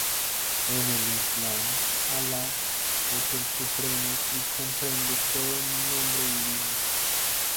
En el islam, Alá es el supremo y comprende todo nombre divino.